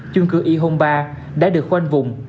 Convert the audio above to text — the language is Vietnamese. chung cư y hôn ba đã được khoanh vùng